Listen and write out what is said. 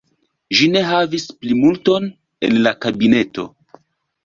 Ĝi ne havis plimulton en la kabineto.